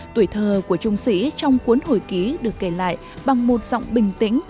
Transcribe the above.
tuổi thơ của trung sĩ trong cuốn hồi ký được kể lại bằng một giọng bình tĩnh